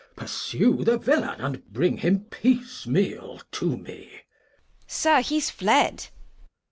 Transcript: pursue the Villain, And bring him Piece meal to me. Bast. Sir, he's fled.